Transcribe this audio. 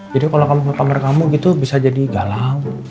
jadi kalau kamu ke kamar kamu gitu bisa jadi galau